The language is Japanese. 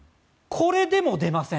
これでも出ません。